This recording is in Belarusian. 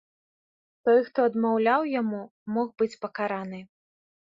Той, хто адмаўляў яму, мог быць пакараны.